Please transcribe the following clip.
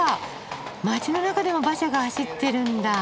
街の中でも馬車が走ってるんだ。